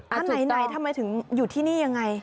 อันไหนทำไมถึงอยู่ที่นี่ยังไง